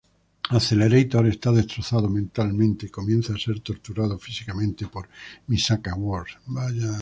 Accelerator está destrozado mentalmente y comienza a ser torturado físicamente por Misaka Worst.